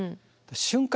瞬間